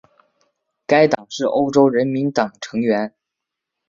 该党是欧洲人民党成员。